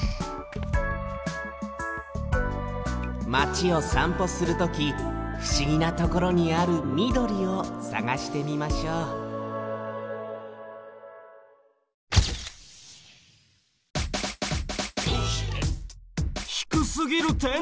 マチをさんぽするときふしぎなところにあるみどりをさがしてみましょう低すぎる天井！